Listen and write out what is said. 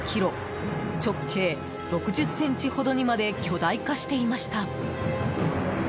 直径６０ｃｍほどにまで巨大化していました。